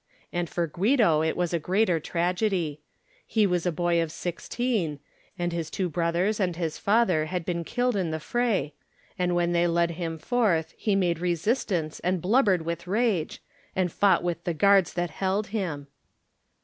And for Guido it was a greater tragedy. He was a boy of sixteen, and his two broth ers and his father had been killed in the fray, and when they led him forth he made resistance and blubbered with rage, and 11 Digitized by Google THE NINTH MAN fought with the guards that held him.